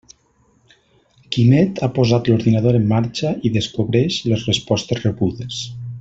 Quimet ha posat l'ordinador en marxa i descobreix les respostes rebudes.